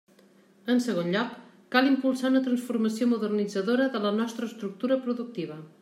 En segon lloc, cal impulsar una transformació modernitzadora de la nostra estructura productiva.